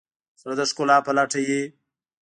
زړه د ښکلا په لټه وي.